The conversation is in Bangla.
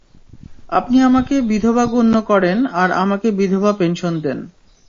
আপনি আমাকে বিধবা গন্য করেন আর আমাকে বিধবা পেনশন দেন।